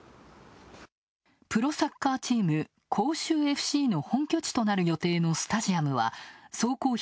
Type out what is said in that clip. プロサッカーチーム、広州ＦＣの本拠地となる予定のスタジアムは総工費